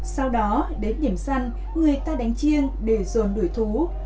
sau đó đến điểm săn người ta đánh chiêng để dồn đuổi thú